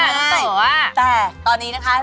แต่ตอนนี้นะคะ